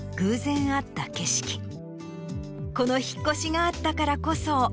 この引っ越しがあったからこそ。